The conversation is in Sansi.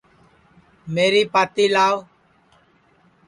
میری پاتی لاو